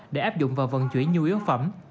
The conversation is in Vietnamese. để áp dụng vào vận chuyển nhu yếu phẩm